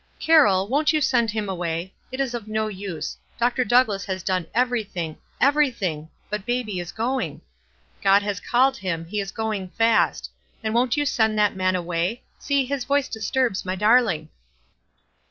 "Carroll, won't you send him away? It is of no use. Dr. Douglass has done everything WISE AND OTHERWISE. 373 — everyt/nm ; but baby is going. God has called him, he is going fast ; and won't you send that man away? See, his voice disturbs my darling."